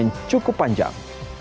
dan cukup panjang